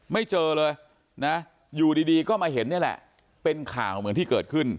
ไม่เจอเลยนะอยู่ดีก็มาเห็นนี่แหละเป็นข่าวเหมือนที่เกิดขึ้น